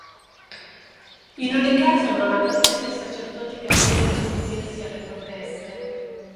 In ogni caso non ha permesso ai sacerdoti cattolici di unirsi alle proteste.